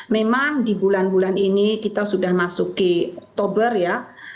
memang di bulan bulan ini kita sudah masuk ke oktober ya